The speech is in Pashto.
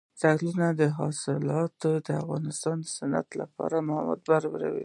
دځنګل حاصلات د افغانستان د صنعت لپاره مواد برابروي.